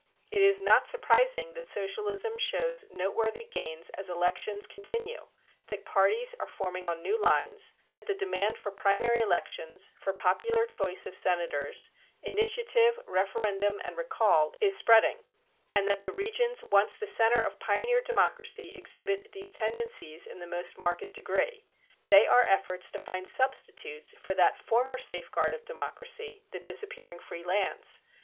It is not surprising that socialism shows noteworthy gains as elections continue; that parties are forming on new lines; that the demand for primary elections, for popular choice of senators, initiative, referendum, and recall, is spreading, and that the regions once the center of pioneer democracy exhibit these tendencies in the most marked degree. They are efforts to find substitutes for that former safeguard of democracy, the disappearing free lands.